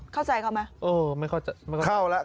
เข้าใจเข้าไหมโอ้ไม่เข้าใจ